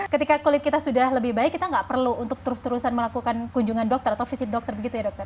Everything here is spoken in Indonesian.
ketika kulit kita sudah lebih baik kita nggak perlu untuk terus terusan melakukan kunjungan dokter atau visit dokter begitu ya dokter